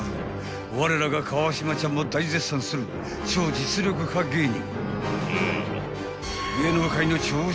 ［われらが川島ちゃんも大絶賛する超実力派芸人］